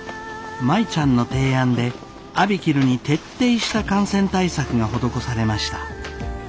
舞ちゃんの提案でＡＢＩＫＩＬＵに徹底した感染対策が施されました。